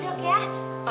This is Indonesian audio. makasih ya dok ya